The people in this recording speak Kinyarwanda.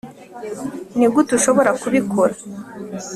nigute ushobora kubikora?